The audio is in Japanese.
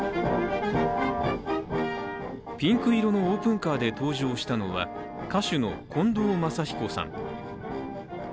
ピンク色のオープンカーで登場したのは歌手の近藤真彦さん。